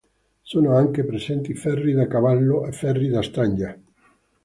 Sono anche presenti ferri da cavallo e ferri da stanga.